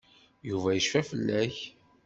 Yuba yecfa fell-ak.